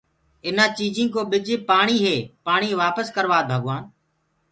اٚينآ چيٚجينٚ ڪو ٻج پآڻيٚ هي پآڻيٚ وآپس ڪرَوآد ڀگوآن